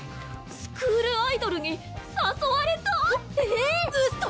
スクールアイドルに誘われた⁉ええ⁉うそ！